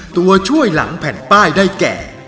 ตัวช่วยหลังแผ่นป้ายได้แก่